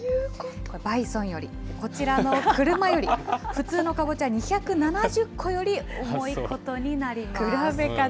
バイソンより、こちらの車より、普通のカボチャ２７０個より重いことになります。